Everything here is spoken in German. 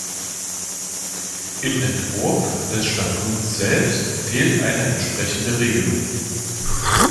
Im Entwurf des Statuts selbst fehlt eine entsprechende Regelung.